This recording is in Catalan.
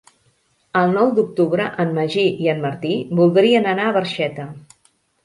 El nou d'octubre en Magí i en Martí voldrien anar a Barxeta.